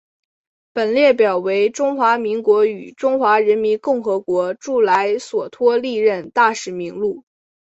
本列表为中华民国与中华人民共和国驻莱索托历任大使名录。